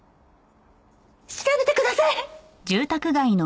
調べてください！